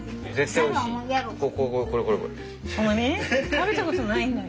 食べたことないんだよ。